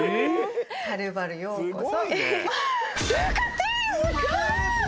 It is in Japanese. はるばるようこそ。